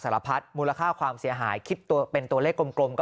สารพัดมูลค่าความเสียหายคิดเป็นตัวเลขกลมก็